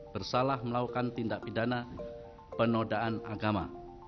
bersalah melakukan tindak pidana penodaan agama